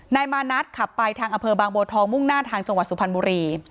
นายมานัดขับไปทางอำเภอบางบัวทองมุ่งหน้าทางจังหวัดสุพรรณบุรี